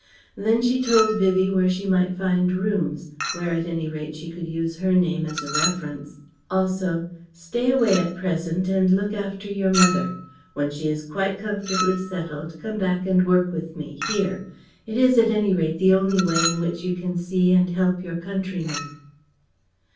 Then she told Vivie where she might find rooms, where at any rate she could use her name as a reference. Also: "Stay away at present and look after your mother. When she is quite comfortably settled, come back and work with me here it is at any rate the only way in which you can see and help your countrymen."